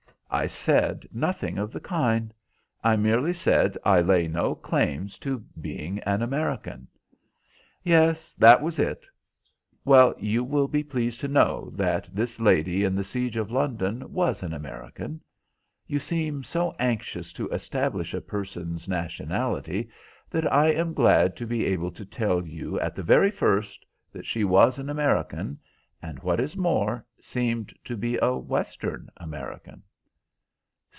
"I said nothing of the kind. I merely said I lay no claims to being an American." "Yes, that was it." "Well, you will be pleased to know that this lady in the siege of London was an American. You seem so anxious to establish a person's nationality that I am glad to be able to tell you at the very first that she was an American, and, what is more, seemed to be a Western American."